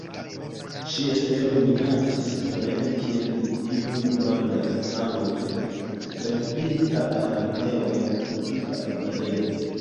Ŝia stelo minacis venene kiel iu granda en sango trempita araneo el tropika arbarego.